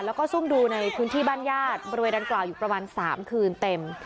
แล้วก็ซุ่มดูในพื้นที่บ้านญาติบริเวณดังกล่าวอยู่ประมาณ๓คืนเต็ม